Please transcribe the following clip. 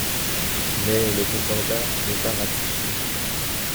Mais le concordat n'est pas ratifié.